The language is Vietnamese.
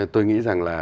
tôi nghĩ rằng là